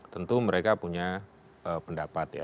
tentu mereka punya pendapat